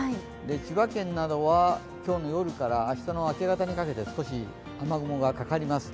千葉県などは今日の夜から明日の明け方にかけて少し雨雲がかかります。